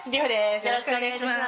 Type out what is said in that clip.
よろしくお願いします